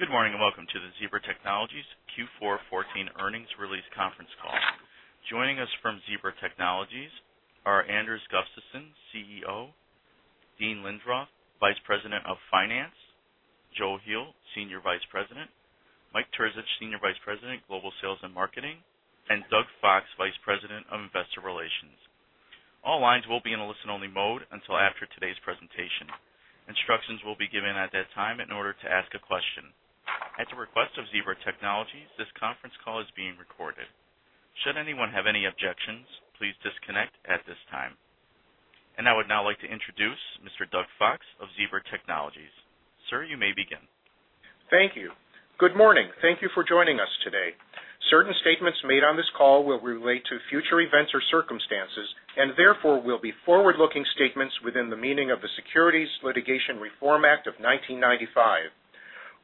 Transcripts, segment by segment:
Good morning, and welcome to the Zebra Technologies Q4 2014 earnings release conference call. Joining us from Zebra Technologies are Anders Gustafsson, CEO; Dean Lindroth, Vice President of Finance; Joe Heel, Senior Vice President; Mike Terzich, Senior Vice President, Global Sales and Marketing; and Doug Fox, Vice President of Investor Relations. All lines will be in a listen-only mode until after today's presentation. Instructions will be given at that time in order to ask a question. At the request of Zebra Technologies, this conference call is being recorded. Should anyone have any objections, please disconnect at this time. I would now like to introduce Mr. Doug Fox of Zebra Technologies. Sir, you may begin. Thank you. Good morning. Thank you for joining us today. Certain statements made on this call will relate to future events or circumstances, and therefore will be forward-looking statements within the meaning of the Securities Litigation Reform Act of 1995.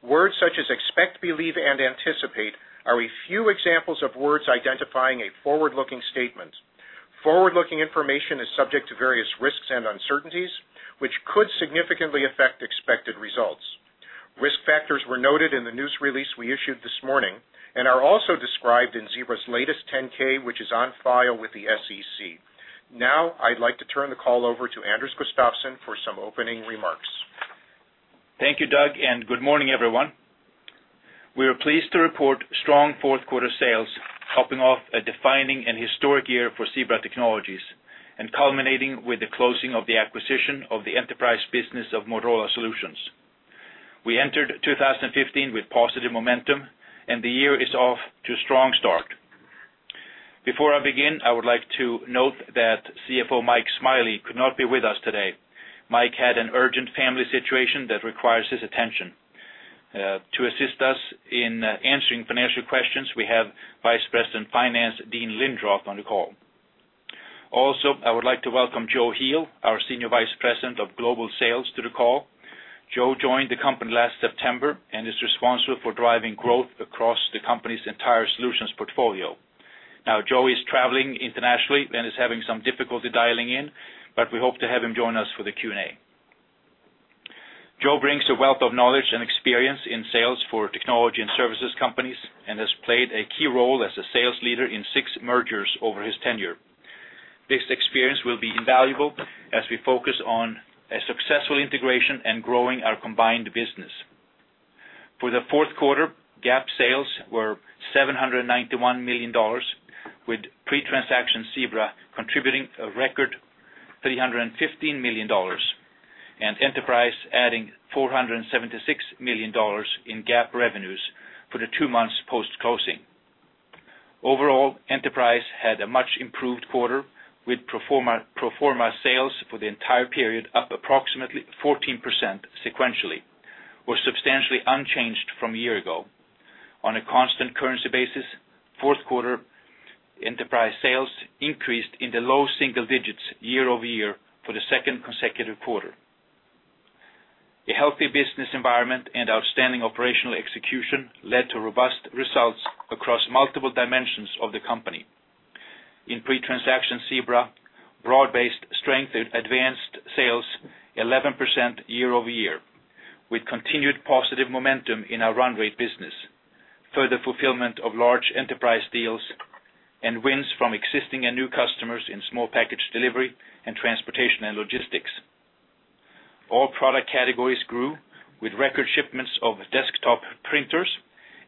Words such as expect, believe, and anticipate are a few examples of words identifying a forward-looking statement. Forward-looking information is subject to various risks and uncertainties, which could significantly affect expected results. Risk factors were noted in the news release we issued this morning and are also described in Zebra's latest 10-K, which is on file with the SEC. Now, I'd like to turn the call over to Anders Gustafsson for some opening remarks. Thank you, Doug, and good morning, everyone. We are pleased to report strong fourth quarter sales, topping off a defining and historic year for Zebra Technologies and culminating with the closing of the acquisition of the Enterprise business of Motorola Solutions. We entered 2015 with positive momentum, and the year is off to a strong start. Before I begin, I would like to note that CFO Mike Smiley could not be with us today. Mike had an urgent family situation that requires his attention. To assist us in answering financial questions, we have Vice President Finance, Dean Lindroth, on the call. Also, I would like to welcome Joe Heel, our Senior Vice President of Global Sales, to the call. Joe joined the company last September and is responsible for driving growth across the company's entire solutions portfolio. Now, Joe is traveling internationally and is having some difficulty dialing in, but we hope to have him join us for the Q&A. Joe brings a wealth of knowledge and experience in sales for technology and services companies and has played a key role as a sales leader in six mergers over his tenure. This experience will be invaluable as we focus on a successful integration and growing our combined business. For the fourth quarter, GAAP sales were $791 million, with pre-transaction Zebra contributing a record $315 million and Enterprise adding $476 million in GAAP revenues for the two months post-closing. Overall, Enterprise had a much improved quarter, with pro forma sales for the entire period, up approximately 14% sequentially, was substantially unchanged from a year ago. On a constant currency basis, fourth quarter Enterprise sales increased in the low single digits year-over-year for the second consecutive quarter. A healthy business environment and outstanding operational execution led to robust results across multiple dimensions of the company. In pre-transaction Zebra, broad-based strength in sales advance 11% year-over-year, with continued positive momentum in our run rate business, further fulfillment of large enterprise deals, and wins from existing and new customers in small package delivery and transportation and logistics. All product categories grew, with record shipments of desktop printers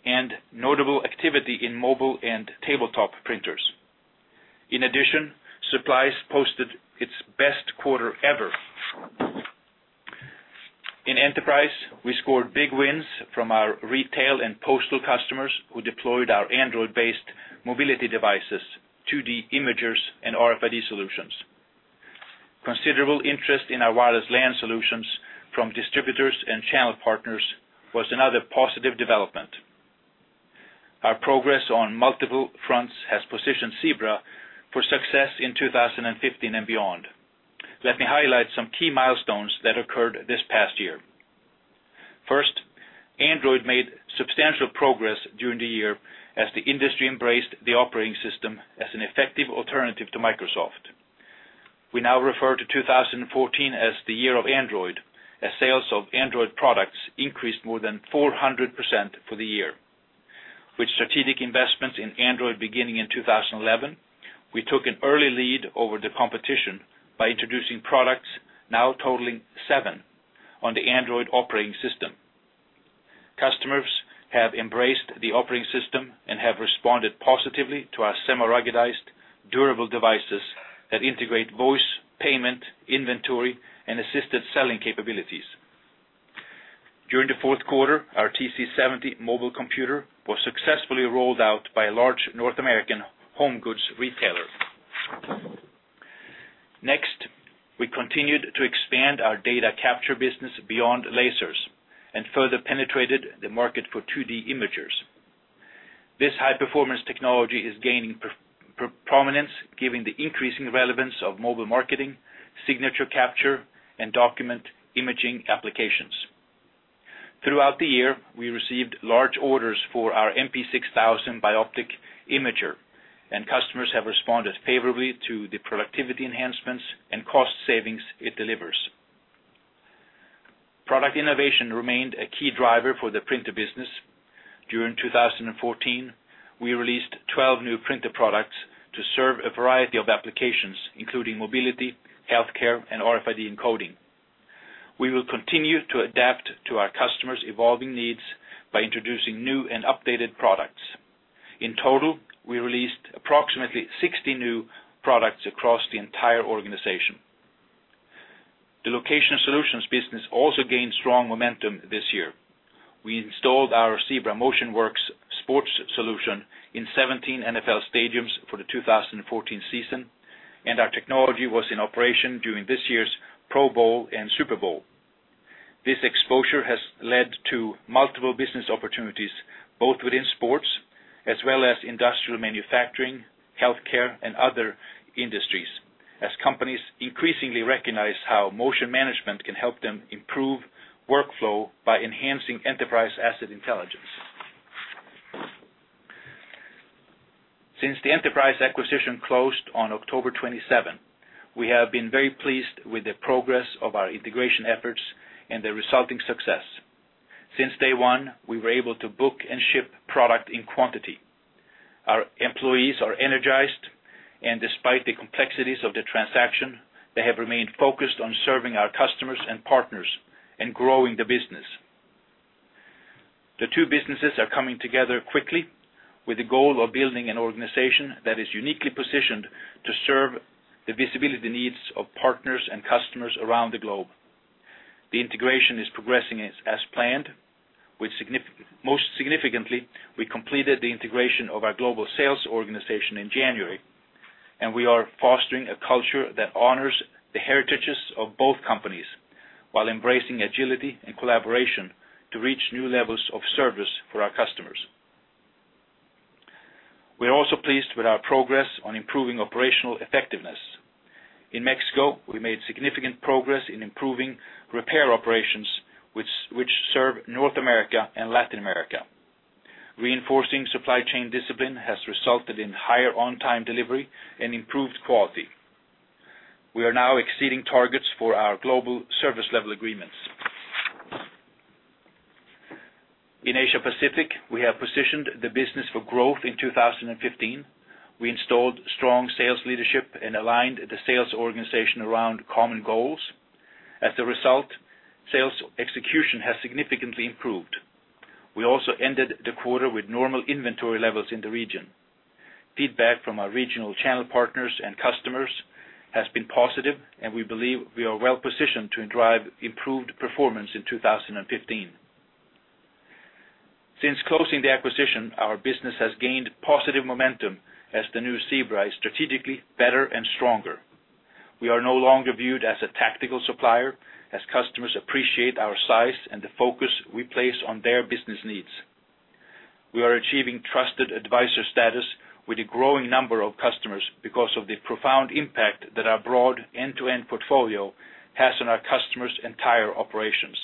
and notable activity in mobile and tabletop printers. In addition, supplies posted its best quarter ever. In Enterprise, we scored big wins from our retail and postal customers, who deployed our Android-based mobility devices, 2D imagers, and RFID solutions. Considerable interest in our wireless LAN solutions from distributors and channel partners was another positive development. Our progress on multiple fronts has positioned Zebra for success in 2015 and beyond. Let me highlight some key milestones that occurred this past year. First, Android made substantial progress during the year as the industry embraced the operating system as an effective alternative to Microsoft. We now refer to 2014 as the year of Android, as sales of Android products increased more than 400% for the year. With strategic investments in Android beginning in 2011, we took an early lead over the competition by introducing products now totaling seven on the Android operating system. Customers have embraced the operating system and have responded positively to our semi-ruggedized durable devices that integrate voice, payment, inventory, and assisted selling capabilities. During the fourth quarter, our TC70 mobile computer was successfully rolled out by a large North American home goods retailer. Next, we continued to expand our data capture business beyond lasers and further penetrated the market for 2D imagers. This high-performance technology is gaining prominence, given the increasing relevance of mobile marketing, signature capture, and document imaging applications. Throughout the year, we received large orders for our MP6000 bioptic imager, and customers have responded favorably to the productivity enhancements and cost savings it delivers. Product innovation remained a key driver for the printer business. During 2014, we released 12 new printer products to serve a variety of applications, including mobility, healthcare, and RFID encoding. We will continue to adapt to our customers' evolving needs by introducing new and updated products. In total, we released approximately 60 new products across the entire organization. The location solutions business also gained strong momentum this year. We installed our Zebra MotionWorks sports solution in 17 NFL stadiums for the 2014 season, and our technology was in operation during this year's Pro Bowl and Super Bowl. This exposure has led to multiple business opportunities, both within sports as well as industrial manufacturing, healthcare, and other industries, as companies increasingly recognize how motion management can help them improve workflow by enhancing Enterprise Asset Intelligence. Since the Enterprise acquisition closed on October 27th, we have been very pleased with the progress of our integration efforts and the resulting success. Since day one, we were able to book and ship product in quantity. Our employees are energized, and despite the complexities of the transaction, they have remained focused on serving our customers and partners, and growing the business. The two businesses are coming together quickly, with the goal of building an organization that is uniquely positioned to serve the visibility needs of partners and customers around the globe. The integration is progressing as planned, most significantly, we completed the integration of our global sales organization in January, and we are fostering a culture that honors the heritages of both companies, while embracing agility and collaboration to reach new levels of service for our customers. We are also pleased with our progress on improving operational effectiveness. In Mexico, we made significant progress in improving repair operations, which serve North America and Latin America. Reinforcing supply chain discipline has resulted in higher on-time delivery and improved quality. We are now exceeding targets for our global service level agreements. In Asia Pacific, we have positioned the business for growth in 2015. We installed strong sales leadership and aligned the sales organization around common goals. As a result, sales execution has significantly improved. We also ended the quarter with normal inventory levels in the region. Feedback from our regional channel partners and customers has been positive, and we believe we are well positioned to drive improved performance in 2015. Since closing the acquisition, our business has gained positive momentum as the new Zebra is strategically better and stronger. We are no longer viewed as a tactical supplier, as customers appreciate our size and the focus we place on their business needs. We are achieving trusted advisor status with a growing number of customers because of the profound impact that our broad end-to-end portfolio has on our customers' entire operations.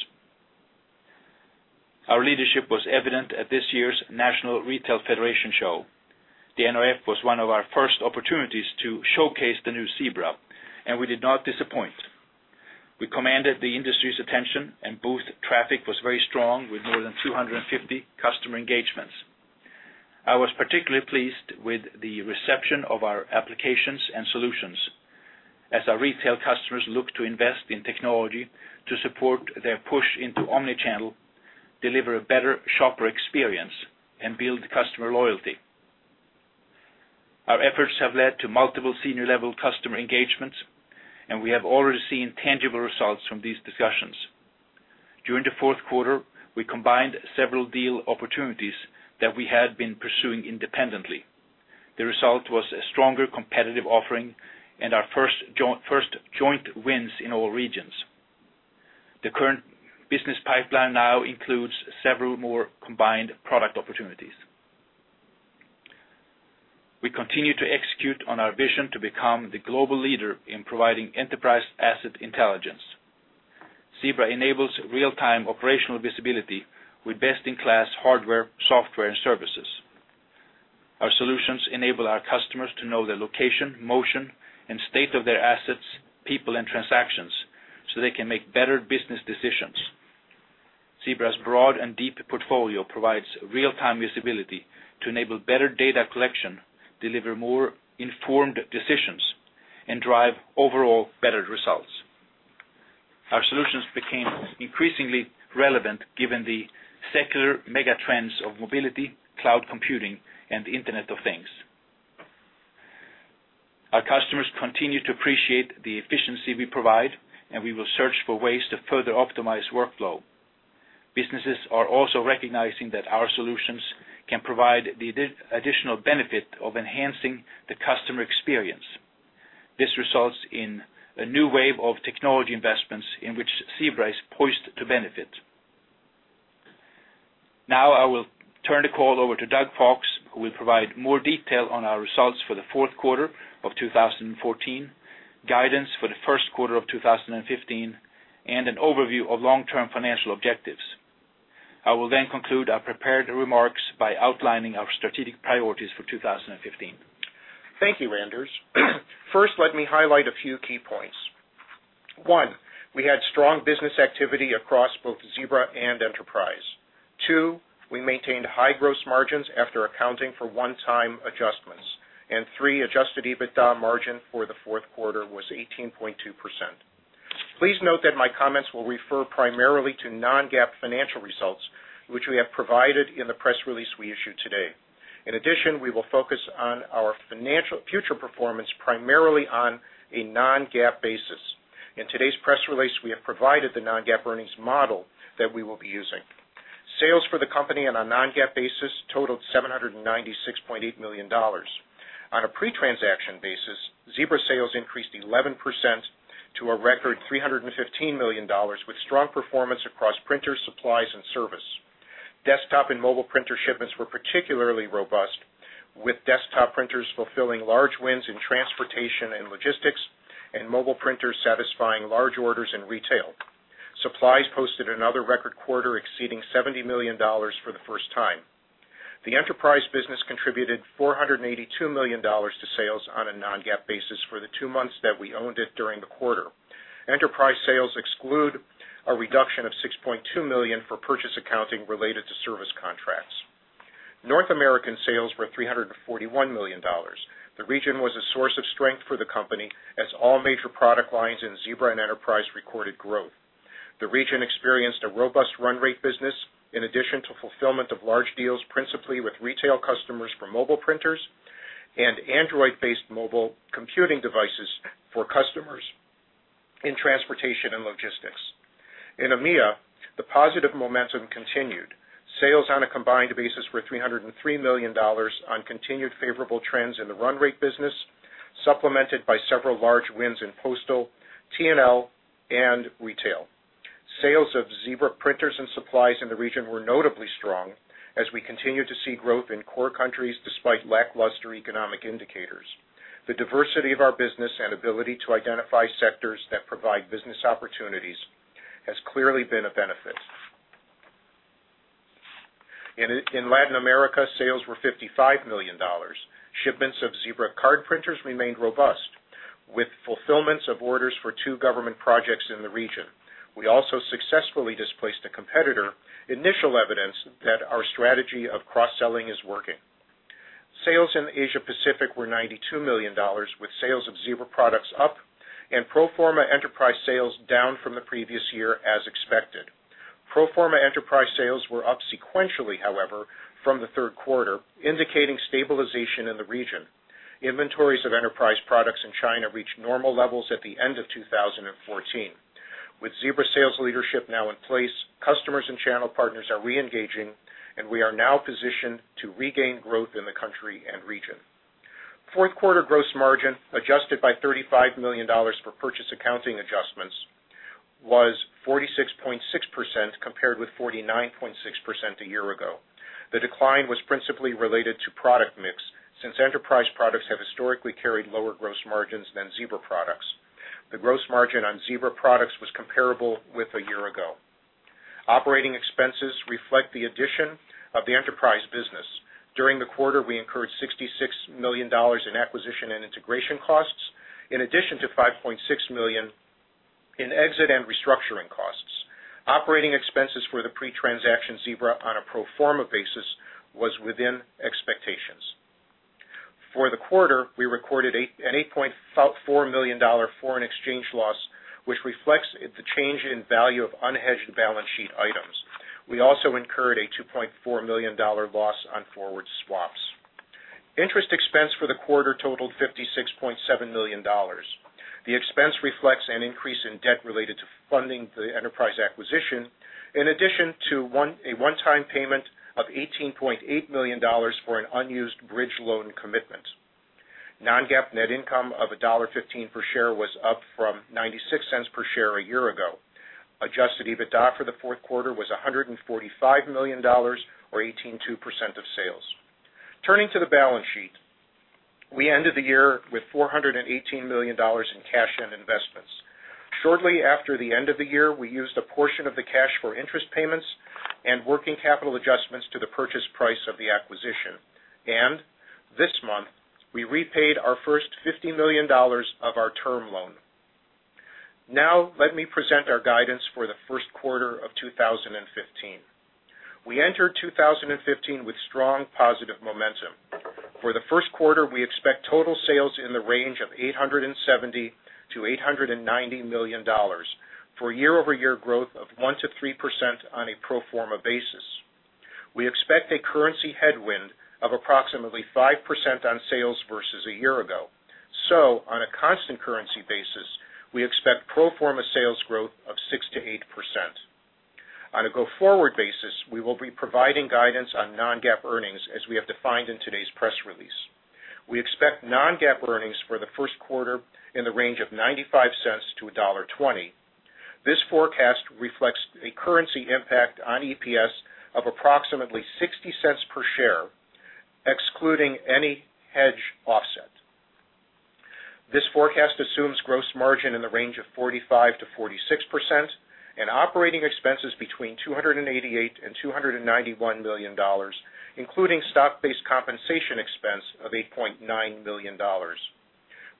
Our leadership was evident at this year's National Retail Federation Show. The NRF was one of our first opportunities to showcase the new Zebra, and we did not disappoint. We commanded the industry's attention, and booth traffic was very strong, with more than 250 customer engagements. I was particularly pleased with the reception of our applications and solutions, as our retail customers look to invest in technology to support their push into omni-channel, deliver a better shopper experience, and build customer loyalty. Our efforts have led to multiple senior-level customer engagements, and we have already seen tangible results from these discussions. During the fourth quarter, we combined several deal opportunities that we had been pursuing independently. The result was a stronger competitive offering and our first joint wins in all regions. The current business pipeline now includes several more combined product opportunities. We continue to execute on our vision to become the global leader in providing Enterprise Asset Intelligence. Zebra enables real-time operational visibility with best-in-class hardware, software, and services. Our solutions enable our customers to know the location, motion, and state of their assets, people, and transactions, so they can make better business decisions. Zebra's broad and deep portfolio provides real-time visibility to enable better data collection, deliver more informed decisions, and drive overall better results. Our solutions became increasingly relevant given the secular mega trends of mobility, cloud computing, and the Internet of Things. Our customers continue to appreciate the efficiency we provide, and we will search for ways to further optimize workflow. Businesses are also recognizing that our solutions can provide the additional benefit of enhancing the customer experience. This results in a new wave of technology investments in which Zebra is poised to benefit. Now, I will turn the call over to Doug Fox, who will provide more detail on our results for the fourth quarter of 2014, guidance for the first quarter of 2015, and an overview of long-term financial objectives. ... I will then conclude our prepared remarks by outlining our strategic priorities for 2015. Thank you, Anders. First, let me highlight a few key points. One, we had strong business activity across both Zebra and Enterprise. Two, we maintained high gross margins after accounting for one-time adjustments. And three, adjusted EBITDA margin for the fourth quarter was 18.2%. Please note that my comments will refer primarily to non-GAAP financial results, which we have provided in the press release we issued today. In addition, we will focus on our financial future performance primarily on a non-GAAP basis. In today's press release, we have provided the non-GAAP earnings model that we will be using. Sales for the company on a non-GAAP basis totaled $796.8 million. On a pre-transaction basis, Zebra sales increased 11% to a record $315 million, with strong performance across printers, supplies, and service. Desktop and mobile printer shipments were particularly robust, with desktop printers fulfilling large wins in transportation and logistics, and mobile printers satisfying large orders in retail. Supplies posted another record quarter, exceeding $70 million for the first time. The Enterprise business contributed $482 million to sales on a non-GAAP basis for the two months that we owned it during the quarter. Enterprise sales exclude a reduction of $6.2 million for purchase accounting related to service contracts. North American sales were $341 million. The region was a source of strength for the company, as all major product lines in Zebra and Enterprise recorded growth. The region experienced a robust run rate business, in addition to fulfillment of large deals, principally with retail customers for mobile printers and Android-based mobile computing devices for customers in transportation and logistics. In EMEA, the positive momentum continued. Sales on a combined basis were $303 million on continued favorable trends in the run rate business, supplemented by several large wins in postal, T&L, and retail. Sales of Zebra printers and supplies in the region were notably strong, as we continued to see growth in core countries despite lackluster economic indicators. The diversity of our business and ability to identify sectors that provide business opportunities has clearly been a benefit. In Latin America, sales were $55 million. Shipments of Zebra card printers remained robust, with fulfillments of orders for two government projects in the region. We also successfully displaced a competitor, initial evidence that our strategy of cross-selling is working. Sales in Asia Pacific were $92 million, with sales of Zebra products up and pro forma Enterprise sales down from the previous year, as expected. Pro forma Enterprise sales were up sequentially, however, from the third quarter, indicating stabilization in the region. Inventories of Enterprise products in China reached normal levels at the end of 2014. With Zebra sales leadership now in place, customers and channel partners are reengaging, and we are now positioned to regain growth in the country and region. Fourth quarter gross margin, adjusted by $35 million for purchase accounting adjustments, was 46.6%, compared with 49.6% a year ago. The decline was principally related to product mix, since Enterprise products have historically carried lower gross margins than Zebra products. The gross margin on Zebra products was comparable with a year ago. Operating expenses reflect the addition of the Enterprise business. During the quarter, we incurred $66 million in acquisition and integration costs, in addition to $5.6 million in exit and restructuring costs. Operating expenses for the pre-transaction Zebra on a pro forma basis was within expectations. For the quarter, we recorded an $8.4 million foreign exchange loss, which reflects the change in value of unhedged balance sheet items. We also incurred a $2.4 million loss on forward swaps. Interest expense for the quarter totaled $56.7 million. The expense reflects an increase in debt related to funding the Enterprise acquisition, in addition to a one-time payment of $18.8 million for an unused bridge loan commitment. Non-GAAP net income of $1.15 per share was up from 96 cents per share a year ago. Adjusted EBITDA for the fourth quarter was $145 million, or 18.2% of sales. Turning to the balance sheet. We ended the year with $418 million in cash and investments. Shortly after the end of the year, we used a portion of the cash for interest payments and working capital adjustments to the purchase price of the acquisition. And this month, we repaid our first $50 million of our term loan. Now, let me present our guidance for the first quarter of 2015. We entered 2015 with strong positive momentum. For the first quarter, we expect total sales in the range of $870 million-$890 million, for year-over-year growth of 1%-3% on a pro forma basis. We expect a currency headwind of approximately 5% on sales versus a year ago. So on a constant currency basis, we expect pro forma sales growth of 6%-8%. On a go-forward basis, we will be providing guidance on non-GAAP earnings, as we have defined in today's press release. We expect non-GAAP earnings for the first quarter in the range of $0.95-$1.20. This forecast reflects a currency impact on EPS of approximately $0.60 per share, excluding any hedge offset. This forecast assumes gross margin in the range of 45%-46% and operating expenses between $288 million and $291 million, including stock-based compensation expense of $8.9 million.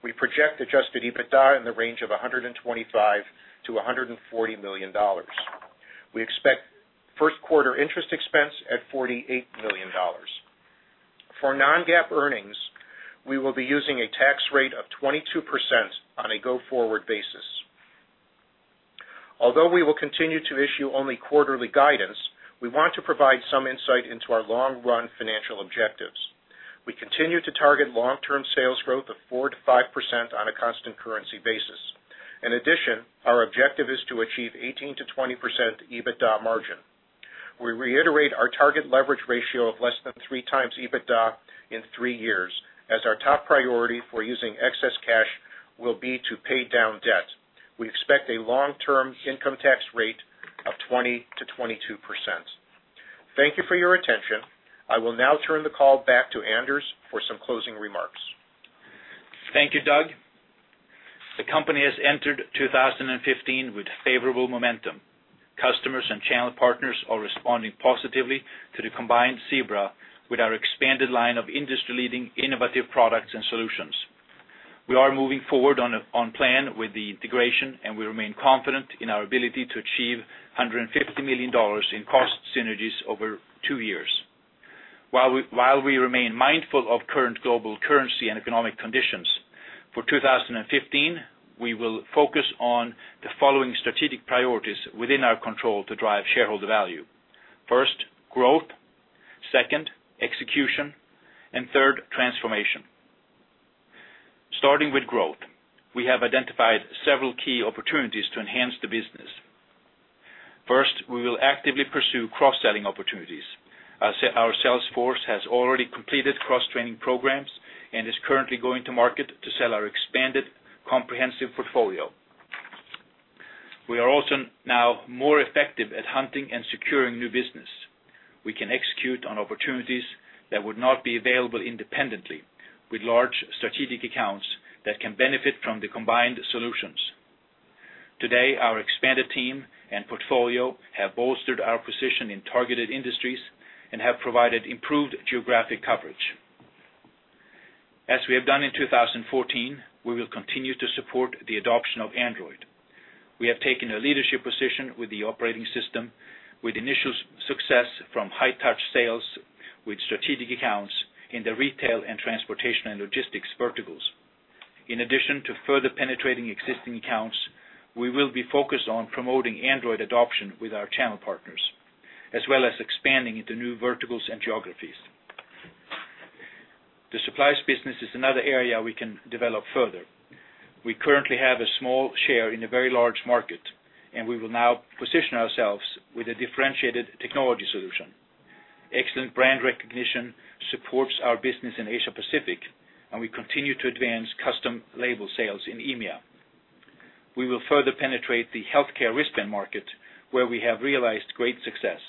We project adjusted EBITDA in the range of $125 million-$140 million. We expect first quarter interest expense at $48 million. For non-GAAP earnings, we will be using a tax rate of 22% on a go-forward basis. Although we will continue to issue only quarterly guidance, we want to provide some insight into our long run financial objectives. We continue to target long-term sales growth of 4%-5% on a constant currency basis. In addition, our objective is to achieve 18%-20% EBITDA margin. We reiterate our target leverage ratio of less than 3x EBITDA in 3 years, as our top priority for using excess cash will be to pay down debt. We expect a long-term income tax rate of 20%-22%. Thank you for your attention. I will now turn the call back to Anders for some closing remarks. Thank you, Doug. The company has entered 2015 with favorable momentum. Customers and channel partners are responding positively to the combined Zebra with our expanded line of industry-leading, innovative products and solutions. We are moving forward on plan with the integration, and we remain confident in our ability to achieve $150 million in cost synergies over two years. While we remain mindful of current global currency and economic conditions, for 2015, we will focus on the following strategic priorities within our control to drive shareholder value. First, growth; second, execution; and third, transformation. Starting with growth, we have identified several key opportunities to enhance the business. First, we will actively pursue cross-selling opportunities. Our sales force has already completed cross-training programs and is currently going to market to sell our expanded comprehensive portfolio. We are also now more effective at hunting and securing new business. We can execute on opportunities that would not be available independently, with large strategic accounts that can benefit from the combined solutions. Today, our expanded team and portfolio have bolstered our position in targeted industries and have provided improved geographic coverage. As we have done in 2014, we will continue to support the adoption of Android. We have taken a leadership position with the operating system, with initial success from high touch sales, with strategic accounts in the retail and transportation and logistics verticals. In addition to further penetrating existing accounts, we will be focused on promoting Android adoption with our channel partners, as well as expanding into new verticals and geographies. The supplies business is another area we can develop further. We currently have a small share in a very large market, and we will now position ourselves with a differentiated technology solution. Excellent brand recognition supports our business in Asia Pacific, and we continue to advance custom label sales in EMEA. We will further penetrate the healthcare wristband market, where we have realized great success.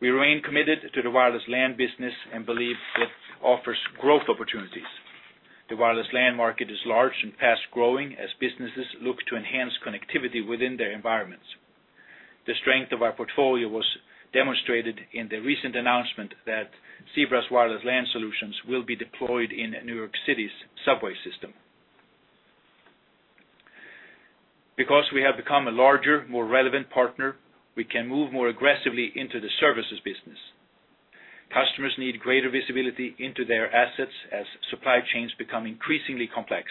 We remain committed to the wireless LAN business and believe that offers growth opportunities. The wireless LAN market is large and fast growing as businesses look to enhance connectivity within their environments. The strength of our portfolio was demonstrated in the recent announcement that Zebra's wireless LAN solutions will be deployed in New York City's subway system. Because we have become a larger, more relevant partner, we can move more aggressively into the services business. Customers need greater visibility into their assets as supply chains become increasingly complex.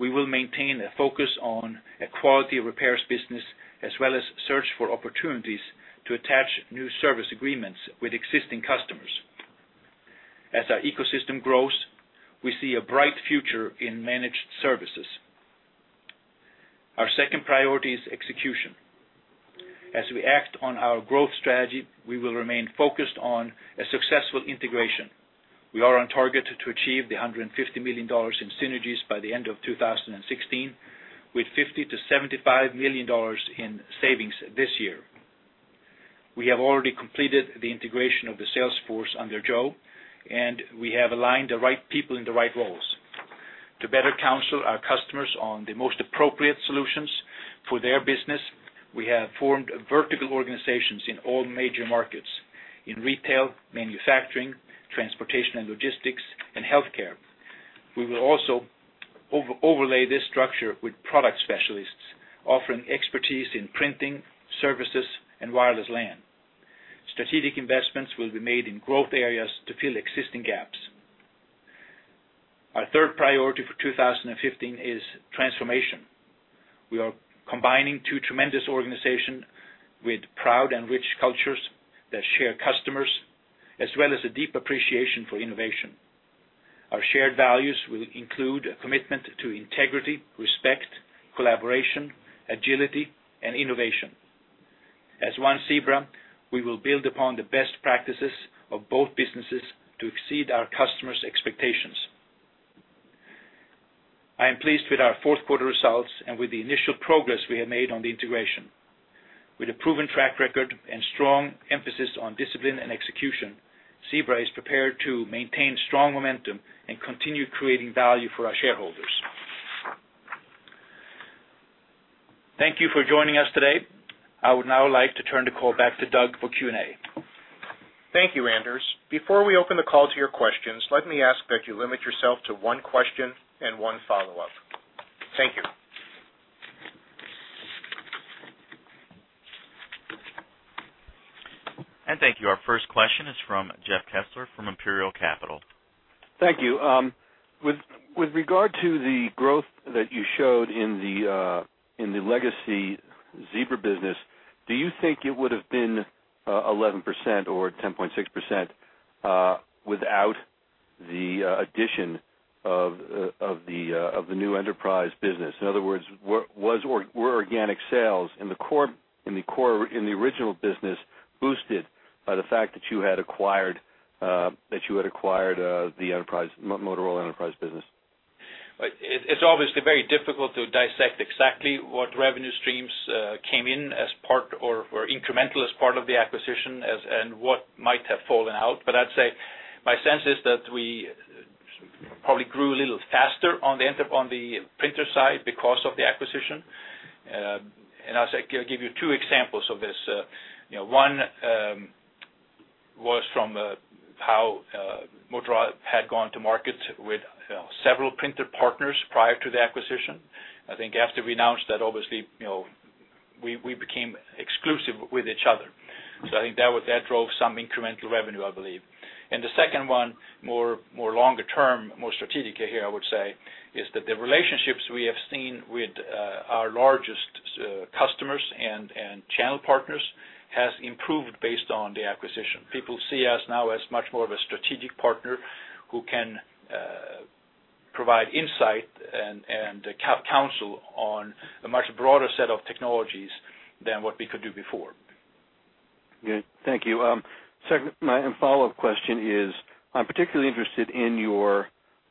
We will maintain a focus on a quality repairs business, as well as search for opportunities to attach new service agreements with existing customers. As our ecosystem grows, we see a bright future in managed services. Our second priority is execution. As we act on our growth strategy, we will remain focused on a successful integration. We are on target to achieve $150 million in synergies by the end of 2016, with $50 million-$75 million in savings this year. We have already completed the integration of the sales force under Joe, and we have aligned the right people in the right roles. To better counsel our customers on the most appropriate solutions for their business, we have formed vertical organizations in all major markets: in retail, manufacturing, transportation and logistics, and healthcare. We will also overlay this structure with product specialists, offering expertise in printing, services, and wireless LAN. Strategic investments will be made in growth areas to fill existing gaps. Our third priority for 2015 is transformation. We are combining two tremendous organizations with proud and rich cultures that share customers, as well as a deep appreciation for innovation. Our shared values will include a commitment to integrity, respect, collaboration, agility, and innovation. As one Zebra, we will build upon the best practices of both businesses to exceed our customers' expectations. I am pleased with our fourth quarter results and with the initial progress we have made on the integration. With a proven track record and strong emphasis on discipline and execution, Zebra is prepared to maintain strong momentum and continue creating value for our shareholders. Thank you for joining us today. I would now like to turn the call back to Doug for Q&A. Thank you, Anders. Before we open the call to your questions, let me ask that you limit yourself to one question and one follow-up. Thank you. Thank you. Our first question is from Jeff Kessler from Imperial Capital. Thank you. With regard to the growth that you showed in the legacy Zebra business, do you think it would have been 11% or 10.6%, without the addition of the new Enterprise business? In other words, was or were organic sales in the core, in the original business, boosted by the fact that you had acquired the Enterprise, Motorola Enterprise business? It's obviously very difficult to dissect exactly what revenue streams came in as part or incremental as part of the acquisition as- and what might have fallen out. But I'd say my sense is that we probably grew a little faster on the enter- on the printer side because of the acquisition. And I'll say, give you two examples of this. You know, one was from how Motorola had gone to market with several printer partners prior to the acquisition. I think after we announced that, obviously, you know, we, we became exclusive with each other. So I think that would, that drove some incremental revenue, I believe. And the second one, more long-term, more strategic here, I would say, is that the relationships we have seen with our largest customers and channel partners has improved based on the acquisition. People see us now as much more of a strategic partner who can provide insight and counsel on a much broader set of technologies than what we could do before. Great. Thank you. Second, my follow-up question is, I'm particularly interested in your,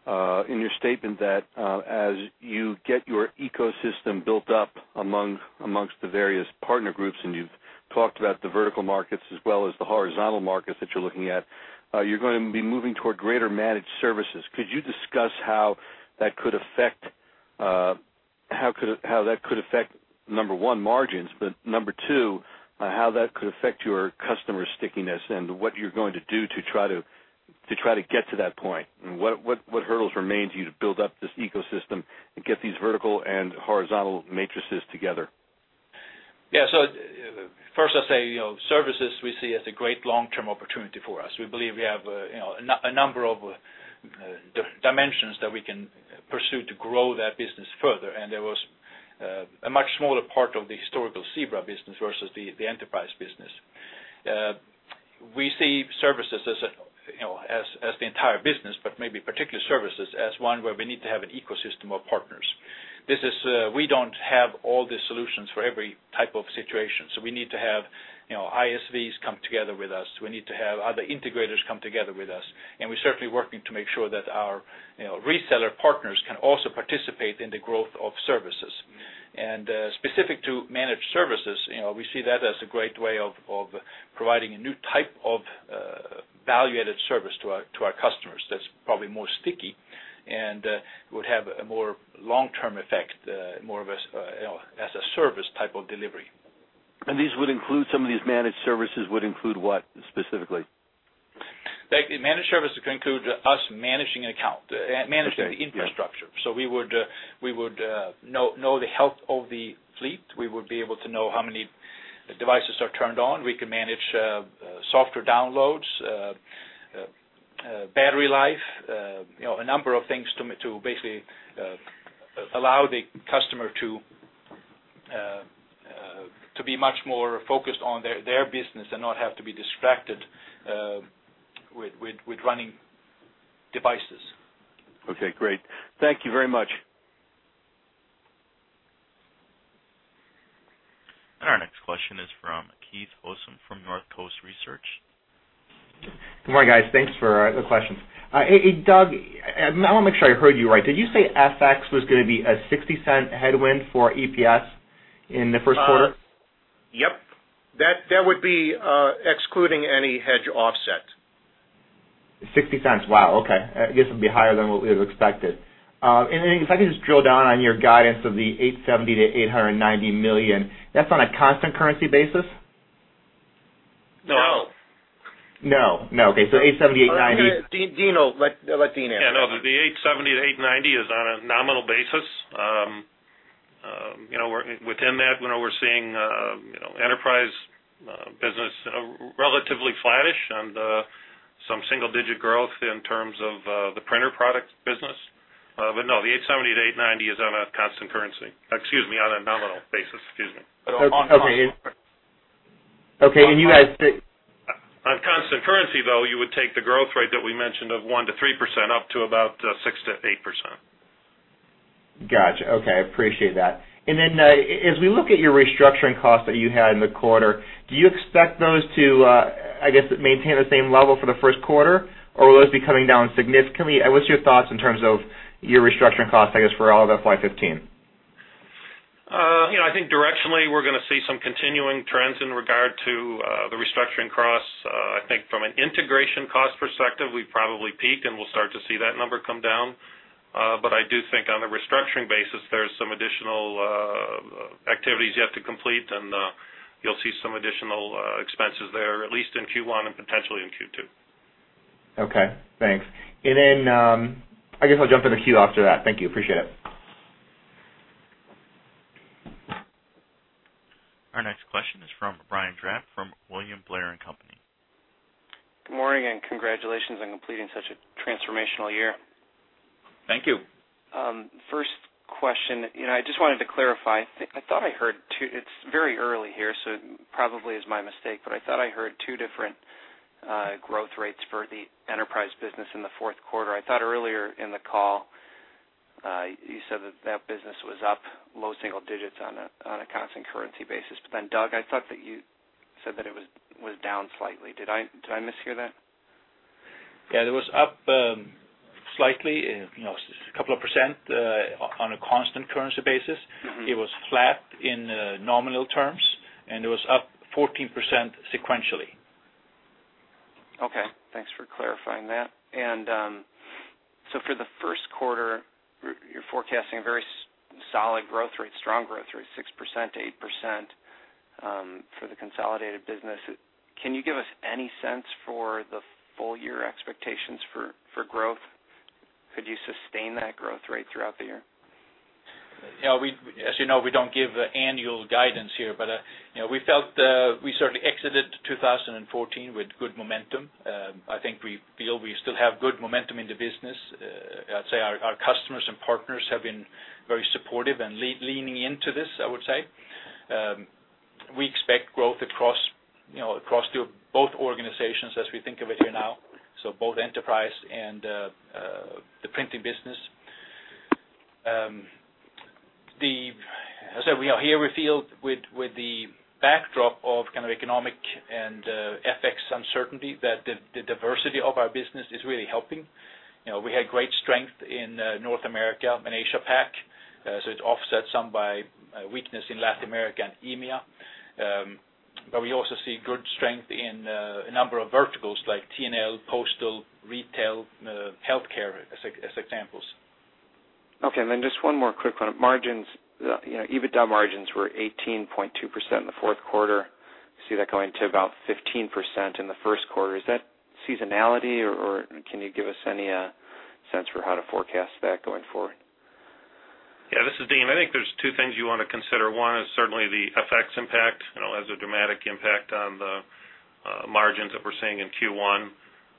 in your statement that, as you get your ecosystem built up amongst the various partner groups, and you've talked about the vertical markets as well as the horizontal markets that you're looking at, you're going to be moving toward greater managed services. Could you discuss how that could affect, how that could affect, number one, margins, but number two, how that could affect your customer stickiness and what you're going to do to try to get to that point? And what hurdles remain to you to build up this ecosystem and get these vertical and horizontal markets together? Yeah. So first, I'd say, you know, services we see as a great long-term opportunity for us. We believe we have, you know, a number of dimensions that we can pursue to grow that business further. And there was a much smaller part of the historical Zebra business versus the enterprise business. We see services as a, you know, as the entire business, but maybe particularly services, as one where we need to have an ecosystem of partners. This is, we don't have all the solutions for every type of situation, so we need to have, you know, ISVs come together with us. We need to have other integrators come together with us. And we're certainly working to make sure that our, you know, reseller partners can also participate in the growth of services. Specific to managed services, you know, we see that as a great way of, of providing a new type of value-added service to our, to our customers that's probably more sticky and would have a more long-term effect, more of a, you know, as a service type of delivery. These would include, some of these managed services would include what, specifically? The managed services could include us managing an account, Okay. Managing the infrastructure. So we would know the health of the fleet. We would be able to know how many devices are turned on. We can manage software downloads, battery life, you know, a number of things to basically allow the customer to be much more focused on their business and not have to be distracted with running devices. Okay, great. Thank you very much. Our next question is from Keith Housum, from Northcoast Research. Good morning, guys. Thanks for the questions. Hey, Doug, I want to make sure I heard you right. Did you say FX was going to be a $0.60 headwind for EPS in the first quarter? Yep. That would be, excluding any hedge offset. $0.60. Wow, okay. I guess it would be higher than what we had expected. And then if I could just drill down on your guidance of $870 million-$890 million, that's on a constant currency basis? No. No. No. Okay. So 870-890- Dean, let Dean answer. Yeah, no, the $870-$890 is on a nominal basis. You know, within that, you know, we're seeing you know, Enterprise business relatively flattish and some single digit growth in terms of the printer product business. But no, the $870-$890 is on a constant currency. Excuse me, on a nominal basis. Excuse me. Okay. Okay, and you guys- On constant currency, though, you would take the growth rate that we mentioned of 1%-3% up to about 6%-8%. Gotcha. Okay, I appreciate that. And then, as we look at your restructuring costs that you had in the quarter, do you expect those to, I guess, maintain the same level for the first quarter, or will those be coming down significantly? What's your thoughts in terms of your restructuring costs, I guess, for all of FY 15?... you know, I think directionally, we're going to see some continuing trends in regard to the restructuring costs. I think from an integration cost perspective, we've probably peaked, and we'll start to see that number come down. But I do think on the restructuring basis, there's some additional activities yet to complete, and you'll see some additional expenses there, at least in Q1 and potentially in Q2. Okay, thanks. And then, I guess I'll jump in the queue after that. Thank you. Appreciate it. Our next question is from Brian Drab from William Blair & Company. Good morning, and congratulations on completing such a transformational year. Thank you. First question, you know, I just wanted to clarify. I thought I heard two—It's very early here, so probably is my mistake, but I thought I heard two different growth rates for the Enterprise business in the fourth quarter. I thought earlier in the call, you said that that business was up low single digits on a constant currency basis. But then, Doug, I thought that you said that it was down slightly. Did I mishear that? Yeah, it was up slightly, you know, 2% on a constant currency basis. It was flat in nominal terms, and it was up 14% sequentially. Okay, thanks for clarifying that. And, so for the first quarter, you're forecasting a very solid growth rate, strong growth rate, 6%-8%, for the consolidated business. Can you give us any sense for the full year expectations for growth? Could you sustain that growth rate throughout the year? Yeah, as you know, we don't give annual guidance here, but, you know, we felt, we certainly exited 2014 with good momentum. I think we feel we still have good momentum in the business. I'd say our customers and partners have been very supportive and leaning into this, I would say. We expect growth across, you know, across the both organizations as we think of it here now, so both Enterprise and the printing business. So we are here, we feel with the backdrop of kind of economic and FX uncertainty, that the diversity of our business is really helping. You know, we had great strength in North America and Asia Pac, so it offsets some by weakness in Latin America and EMEA. But we also see good strength in a number of verticals like T&L, postal, retail, healthcare, as examples. Okay, and then just one more quick one. Margins, you know, EBITDA margins were 18.2% in the fourth quarter. See that going to about 15% in the first quarter. Is that seasonality, or, or can you give us any sense for how to forecast that going forward? Yeah, this is Dean. I think there's two things you want to consider. One is certainly the FX impact. You know, it has a dramatic impact on the margins that we're seeing in Q1.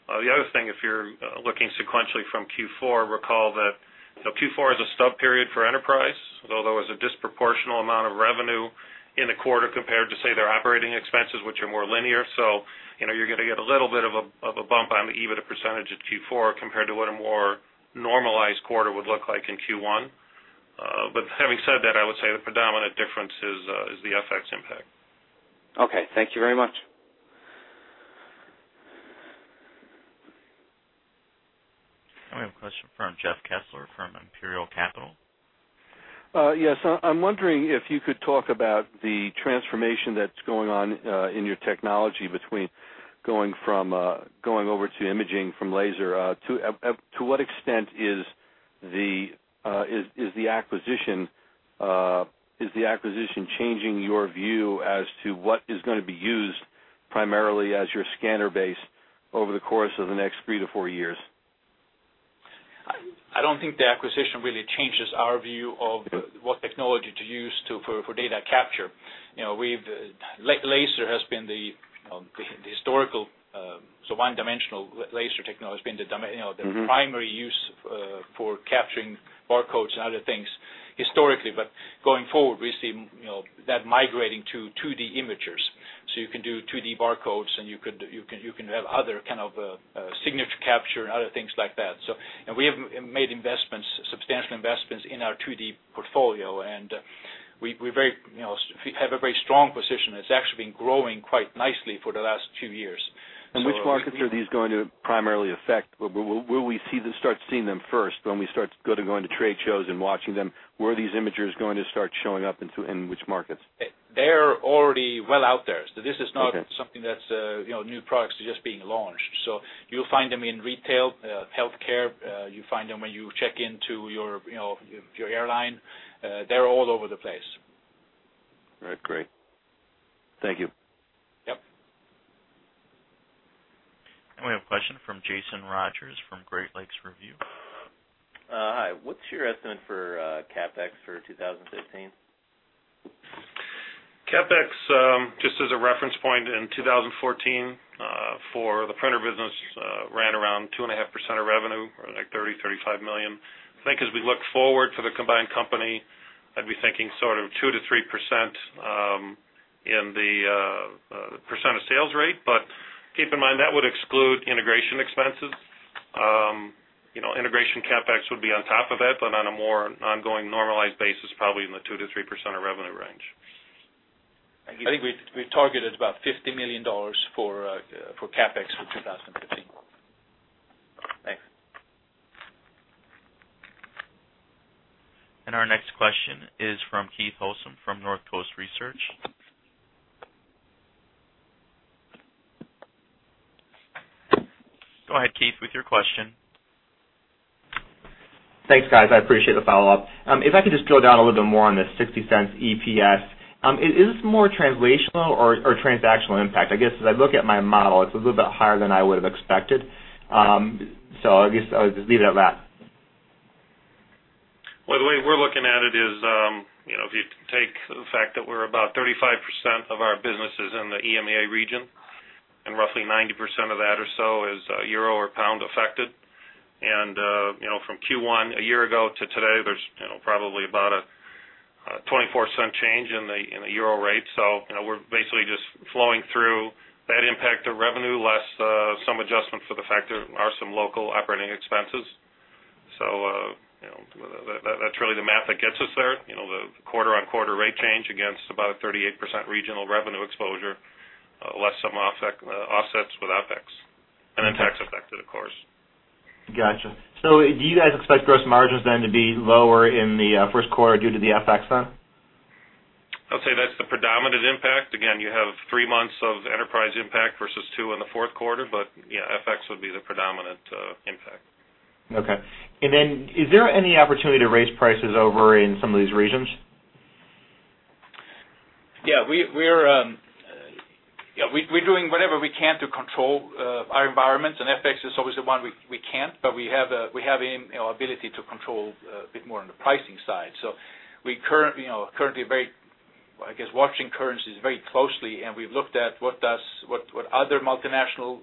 The other thing, if you're looking sequentially from Q4, recall that, you know, Q4 is a stub period for Enterprise, although there was a disproportional amount of revenue in the quarter compared to, say, their operating expenses, which are more linear. So, you know, you're going to get a little bit of a bump on the EBITDA percentage at Q4 compared to what a more normalized quarter would look like in Q1. But having said that, I would say the predominant difference is the FX impact. Okay, thank you very much. We have a question from Jeff Kessler from Imperial Capital. Yes. I'm wondering if you could talk about the transformation that's going on in your technology between going from going over to imaging from laser. To what extent is the acquisition changing your view as to what is going to be used primarily as your scanner base over the course of the next 3-4 years? I don't think the acquisition really changes our view of what technology to use for data capture. You know, laser has been the historical so one-dimensional laser technology has been the doma- You know, the primary use for capturing barcodes and other things historically. But going forward, we see, you know, that migrating to 2D imagers. So you can do 2D barcodes, and you could, you can, you can have other kind of, signature capture and other things like that. So, and we have made investments, substantial investments in our 2D portfolio, and, we, we're very, you know, have a very strong position. It's actually been growing quite nicely for the last two years, so- Which markets are these going to primarily affect? Where we start seeing them first when we start going to trade shows and watching them? Where are these imagers going to start showing up, and in which markets? They're already well out there, so this is not- Okay. something that's, you know, new products are just being launched. So you'll find them in retail, healthcare. You find them when you check into your, you know, your airline. They're all over the place. All right. Great. Thank you. Yep. We have a question from Jason Rodgers from Great Lakes Review. Hi, what's your estimate for CapEx for 2015? CapEx, just as a reference point, in 2014, for the printer business, ran around 2.5% of revenue, like $30 million-$35 million. I think as we look forward to the combined company, I'd be thinking sort of 2%-3%, in the percent of sales rate. But keep in mind, that would exclude integration expenses. You know, integration CapEx would be on top of that, but on a more ongoing normalized basis, probably in the 2%-3% of revenue range. I think we targeted about $50 million for CapEx for 2015.... And our next question is from Keith Housum from Northcoast Research. Go ahead, Keith, with your question. Thanks, guys. I appreciate the follow-up. If I could just drill down a little bit more on this $0.60 EPS, is this more translational or transactional impact? I guess, as I look at my model, it's a little bit higher than I would have expected. So I guess I'll just leave it at that. Well, the way we're looking at it is, you know, if you take the fact that we're about 35% of our business is in the EMEA region, and roughly 90% of that or so is euro or pound affected. You know, from Q1 a year ago to today, there's, you know, probably about a $0.24 change in the euro rate. So, you know, we're basically just flowing through that impact to revenue, less some adjustment for the fact there are some local operating expenses. So, you know, that, that's really the math that gets us there. You know, the quarter-over-quarter rate change against about a 38% regional revenue exposure, less some offsets with FX, and then tax affected, of course. Gotcha. So do you guys expect gross margins then to be lower in the first quarter due to the FX then? I'd say that's the predominant impact. Again, you have three months of Enterprise impact versus two in the fourth quarter, but, yeah, FX would be the predominant impact. Okay. And then is there any opportunity to raise prices over in some of these regions? Yeah, we're doing whatever we can to control our environment, and FX is obviously one we can't, but we have, you know, an ability to control a bit more on the pricing side. So we currently, you know, very, I guess, watching currencies very closely, and we've looked at what other multinational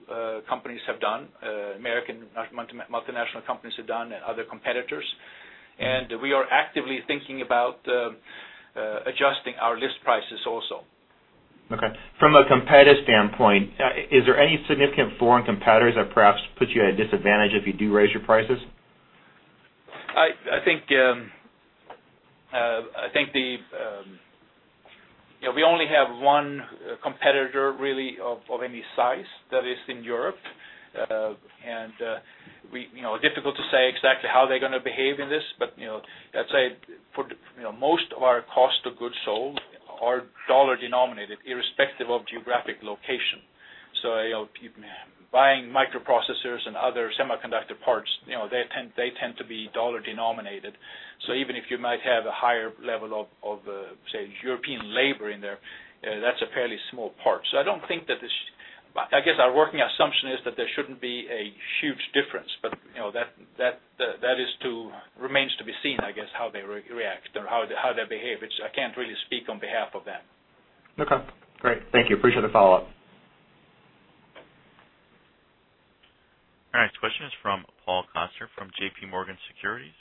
companies have done, American multinational companies have done and other competitors. And we are actively thinking about adjusting our list prices also. Okay. From a competitive standpoint, is there any significant foreign competitors that perhaps put you at a disadvantage if you do raise your prices? I think you know, we only have one competitor really of any size that is in Europe. You know, difficult to say exactly how they're going to behave in this, but you know, I'd say for you know, most of our cost of goods sold are US dollar denominated, irrespective of geographic location. So you know, buying microprocessors and other semiconductor parts, you know, they tend to be US dollar denominated. So even if you might have a higher level of say, European labor in there, that's a fairly small part. So I don't think that this... I guess our working assumption is that there shouldn't be a huge difference, but, you know, that remains to be seen, I guess, how they react or how they behave, which I can't really speak on behalf of them. Okay, great. Thank you. Appreciate the follow-up. Our next question is from Paul Coster from J.P. Morgan Securities.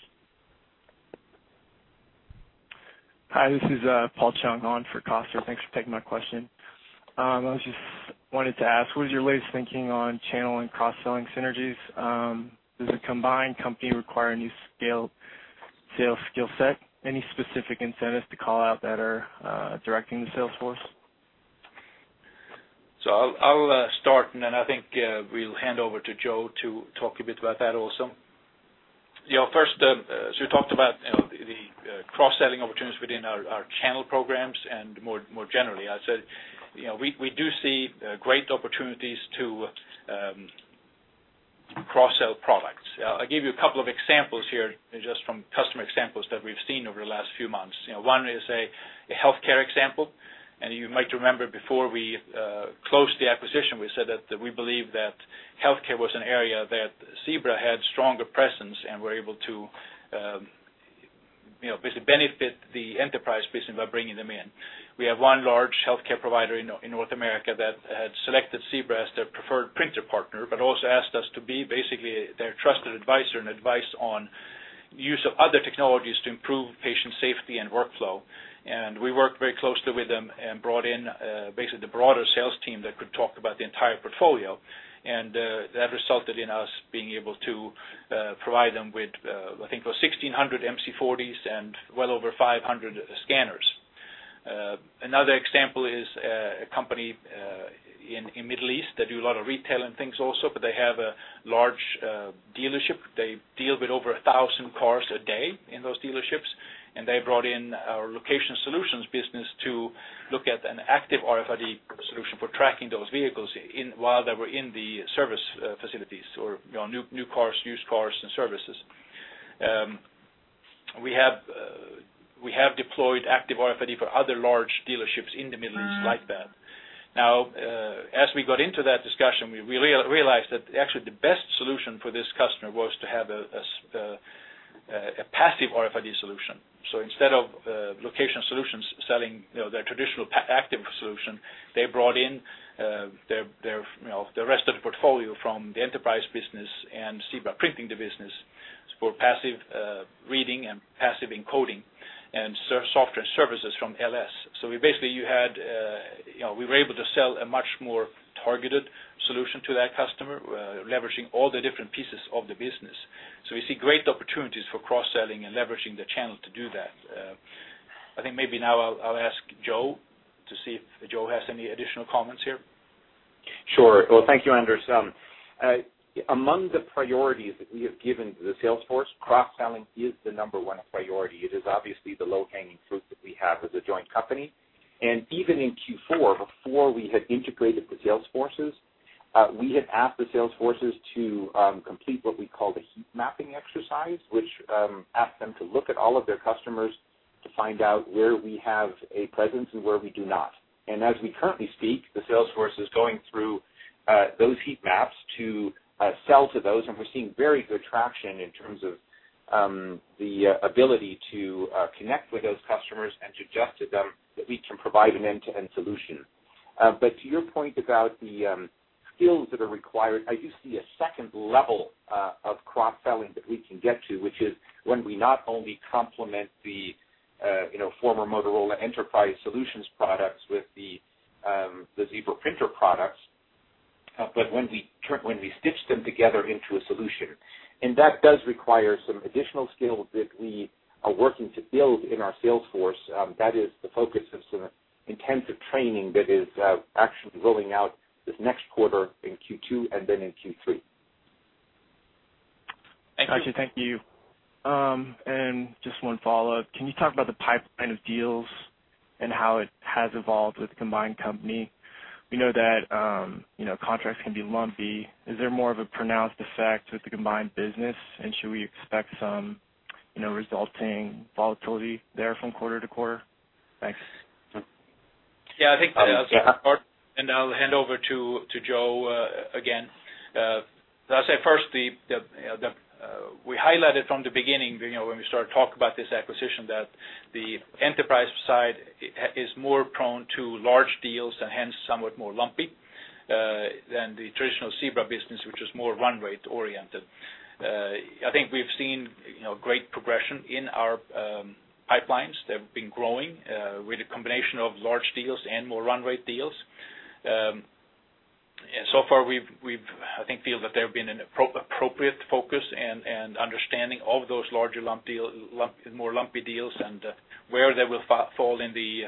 Hi, this is Paul Chung on for Coster. Thanks for taking my question. I was just wanted to ask, what is your latest thinking on channel and cross-selling synergies? Does a combined company require a new scale, sales skill set? Any specific incentives to call out that are directing the sales force? So I'll start, and then I think we'll hand over to Joe to talk a bit about that also. Yeah, first, so we talked about, you know, the cross-selling opportunities within our channel programs, and more generally. I said, you know, we do see great opportunities to cross-sell products. I'll give you a couple of examples here, just from customer examples that we've seen over the last few months. You know, one is a healthcare example, and you might remember before we closed the acquisition, we said that we believe that healthcare was an area that Zebra had stronger presence and were able to, you know, basically benefit the Enterprise business by bringing them in. We have one large healthcare provider in North America that had selected Zebra as their preferred printer partner, but also asked us to be basically their trusted advisor, and advise on use of other technologies to improve patient safety and workflow. And we worked very closely with them and brought in basically the broader sales team that could talk about the entire portfolio. And that resulted in us being able to provide them with I think it was 1,600 MC40s and well over 500 scanners. Another example is a company in Middle East that do a lot of retail and things also, but they have a large dealership. They deal with over 1,000 cars a day in those dealerships, and they brought in our location solutions business to look at an active RFID solution for tracking those vehicles while they were in the service facilities or, you know, new cars, used cars and services. We have deployed active RFID for other large dealerships in the Middle East like that. Now, as we got into that discussion, we realized that actually the best solution for this customer was to have a passive RFID solution. So instead of location solutions selling, you know, their traditional active solution, they brought in their, you know, the rest of the portfolio from the Enterprise business and Zebra printing the business for passive reading and passive encoding and software services from LS. So we basically, you know, we were able to sell a much more targeted solution to that customer, leveraging all the different pieces of the business. So we see great opportunities for cross-selling and leveraging the channel to do that. I think maybe now I'll ask Joe to see if Joe has any additional comments here. Sure. Well, thank you, Anders. Among the priorities that we have given to the sales force, cross-selling is the number one priority. It is obviously the low-hanging fruit that we have as a joint company. Even in Q4, before we had integrated the sales forces, we had asked the sales forces to complete what we call the heat mapping exercise, which asked them to look at all of their customers to find out where we have a presence and where we do not. As we currently speak, the sales force is going through those heat maps to sell to those, and we're seeing very good traction in terms of the ability to connect with those customers and suggest to them that we can provide an end-to-end solution. But to your point about the skills that are required, I do see a second level of cross-selling that we can get to, which is when we not only complement the former Motorola Solutions products with the Zebra printer products, but when we stitch them together into a solution. And that does require some additional skills that we are working to build in our sales force. That is the focus of some intensive training that is actually rolling out this next quarter in Q2 and then in Q3. Thank you. Got you. Thank you. Just one follow-up. Can you talk about the pipeline of deals and how it has evolved with the combined company? We know that, you know, contracts can be lumpy. Is there more of a pronounced effect with the combined business? And should we expect some, you know, resulting volatility there from quarter to quarter? Thanks. Yeah, I think, and I'll hand over to Joe again. I'll say first, we highlighted from the beginning, you know, when we started talking about this acquisition, that the Enterprise side is more prone to large deals and hence somewhat more lumpy than the traditional Zebra business, which is more run rate oriented. I think we've seen, you know, great progression in our pipelines. They've been growing with a combination of large deals and more run rate deals. And so far we feel that there have been an appropriate focus and understanding of those larger lumpy deals and where they will fall in the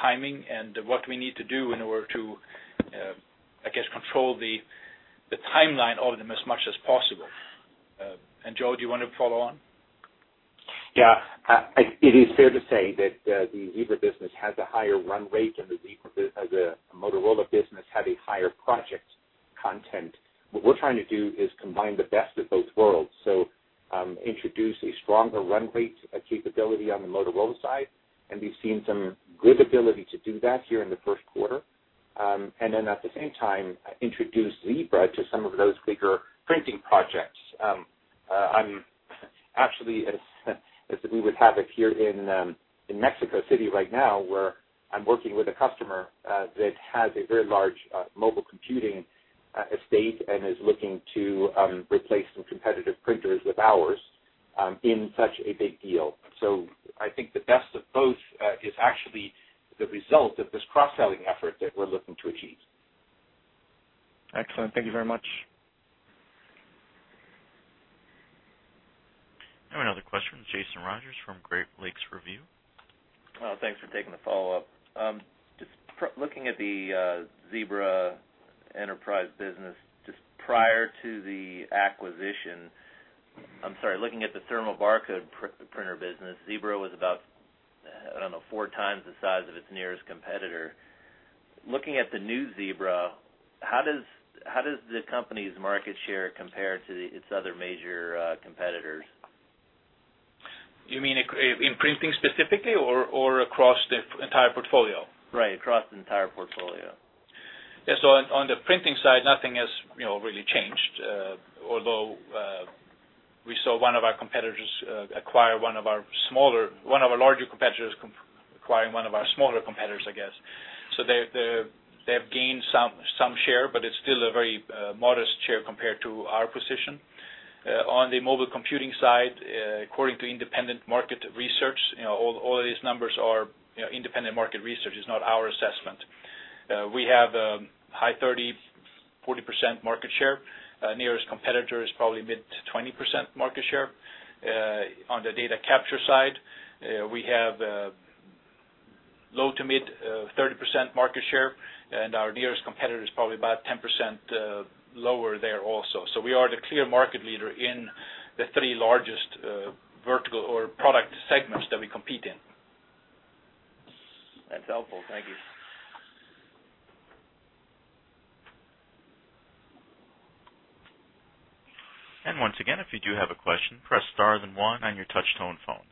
timing and what we need to do in order to, I guess, control the timeline of them as much as possible. And Joe, do you want to follow on? Yeah. It is fair to say that the Zebra business has a higher run rate than the Enterprise business have a higher project content. What we're trying to do is combine the best of both worlds. So, introduce a stronger run rate capability on the Motorola side, and we've seen some good ability to do that here in the first quarter. And then at the same time, introduce Zebra to some of those bigger printing projects. I'm actually, as we would have it, here in Mexico City right now, where I'm working with a customer that has a very large mobile computing estate and is looking to replace some competitive printers with ours in such a big deal. I think the best of both is actually the result of this cross-selling effort that we're looking to achieve. Excellent. Thank you very much. Another question from Jason Rodgers, from Great Lakes Review. Thanks for taking the follow-up. Just looking at the Zebra Enterprise business, just prior to the acquisition. I'm sorry, looking at the thermal barcode printer business, Zebra was about, I don't know, four times the size of its nearest competitor. Looking at the new Zebra, how does the company's market share compare to its other major competitors? You mean in printing specifically or across the entire portfolio? Right, across the entire portfolio. Yeah, so on the printing side, nothing has, you know, really changed, although we saw one of our competitors acquire one of our smaller competitors, I guess. So they have gained some share, but it's still a very modest share compared to our position. On the mobile computing side, according to independent market research, you know, all of these numbers are independent market research, it's not our assessment. We have a high 30-40% market share. Nearest competitor is probably mid-20% market share. On the data capture side, we have low- to mid-30% market share, and our nearest competitor is probably about 10% lower there also. We are the clear market leader in the three largest vertical or product segments that we compete in. That's helpful. Thank you. Once again, if you do have a question, press star then one on your touch tone phone.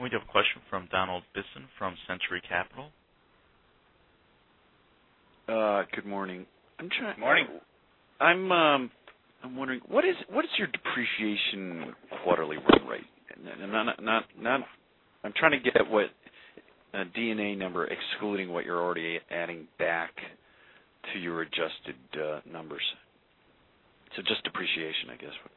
Stand by, as more questions go into the queue. We do have a question from Donald Bisson from Century Capital. Good morning. I'm trying- Good morning. I'm wondering, what is your depreciation quarterly run rate? I'm trying to get at what a non-GAAP number, excluding what you're already adding back to your adjusted numbers. So just depreciation, I guess. Yeah,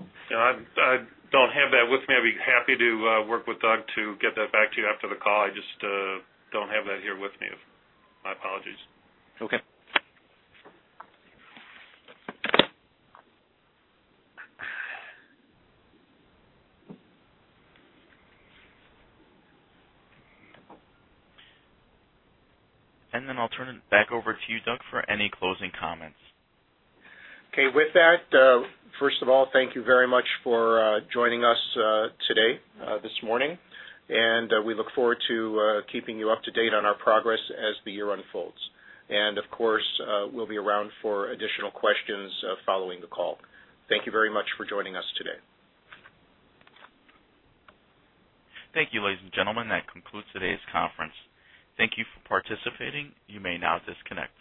I don't have that with me. I'd be happy to work with Doug to get that back to you after the call. I just don't have that here with me. My apologies. Okay. And then I'll turn it back over to you, Doug, for any closing comments. Okay. With that, first of all, thank you very much for joining us today, this morning, and we look forward to keeping you up to date on our progress as the year unfolds. Of course, we'll be around for additional questions following the call. Thank you very much for joining us today. Thank you, ladies and gentlemen. That concludes today's conference. Thank you for participating. You may now disconnect.